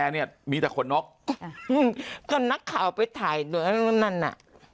เนี่ยมีแต่ขนนกก็นักข่าวไปถ่ายนู่นนั่นน่ะ